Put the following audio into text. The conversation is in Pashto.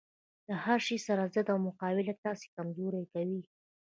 له هرشي سره ضد او مقابله تاسې کمزوري کوي